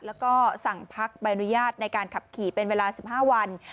แล้วก็สั่งพักใบอนุญาตในการขับขี่เป็นเวลา๑๕วัน